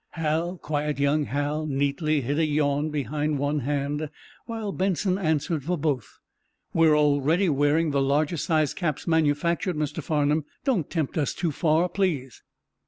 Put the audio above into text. Hal, quiet young Hal, neatly hid a yawn behind one hand, while Benson answered for both: "We're already wearing the largest sized caps manufactured, Mr. Farnum. Don't tempt us too far, please!"